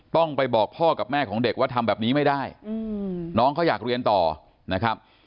ต้องไปบอกพ่อกับแม่ของเด็กว่าทำแบบนี้ไม่ได้น้องเขาอยากเรียนต่อนะครับ